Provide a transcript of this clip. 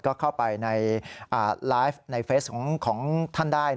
ก็เข้าไปในไลฟ์ในเฟสของท่านได้